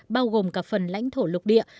bao gồm cả phần lãnh thổ lục địa